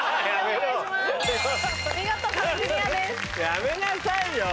やめなさいよ